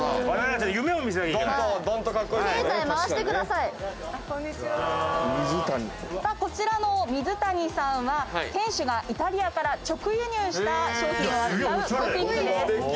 さあこちらのミズタニさんは店主がイタリアから直輸入した商品を扱うブティックです。